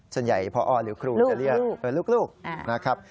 ส่วนใหญ่พอหรือครูจะเรียกลูกนะครับ